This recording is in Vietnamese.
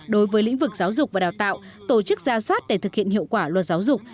đối với lĩnh vực giáo dục và đào tạo tổ chức ra soát để thực hiện hiệu quả luật giáo dục